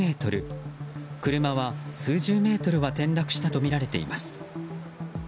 車は数十メートルは転落したとみられています。